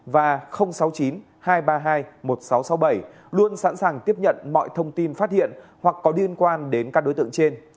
và sáu mươi chín hai trăm ba mươi hai một nghìn sáu trăm sáu mươi bảy luôn sẵn sàng tiếp nhận mọi thông tin phát hiện hoặc có liên quan đến các đối tượng trên